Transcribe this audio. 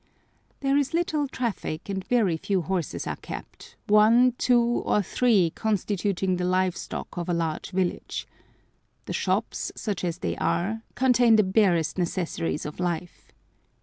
There is little traffic, and very few horses are kept, one, two, or three constituting the live stock of a large village. The shops, such as they are, contain the barest necessaries of life.